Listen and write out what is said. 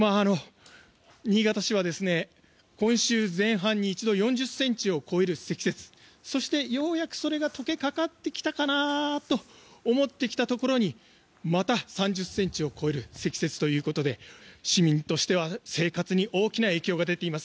新潟市は今週前半に一度４０ｃｍを超える積雪そしてようやくそれが解けかかってきたかなと思ってきたところにまた３０ｃｍを超える積雪ということで市民としては生活に大きな影響が出ています。